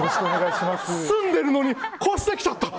住んでるのに越してきちゃった。